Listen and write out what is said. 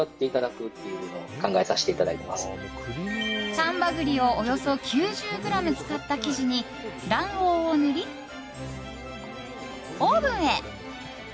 丹波栗をおよそ９０ｇ使った生地に卵黄を塗り、オーブンへ。